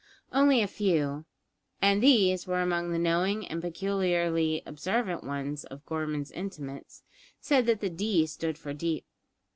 Only a few, and these were among the knowing and peculiarly observant ones of Gorman's intimates, said that "D" stood for "deep."